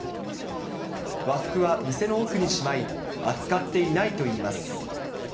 和服は店の奥にしまい、扱っていないといいます。